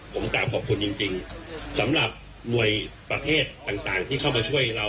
ผมกลับขอบคุณจริงสำหรับมวยประเทศต่างที่เข้ามาช่วยเรา